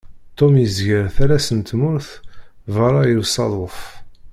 Tom yezger talast n tmurt berra i usaḍuf.